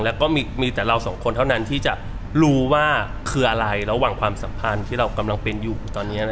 แล้วก็มีแต่เราสองคนเท่านั้นที่จะรู้ว่าคืออะไรระหว่างความสัมพันธ์ที่เรากำลังเป็นอยู่ตอนนี้